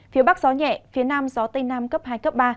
phía bắc gió nhẹ phía nam gió tây nam cấp hai cấp ba